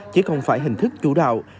chứ không phải hình thức chủ đạo